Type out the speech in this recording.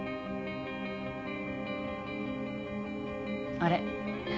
あれ？